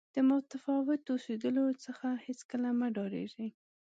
د متفاوت اوسېدلو څخه هېڅکله مه ډارېږئ.